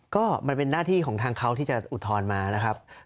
ก็มันเป็นหน้าที่ของทางเขาที่จะอุทธรณ์มานะครับ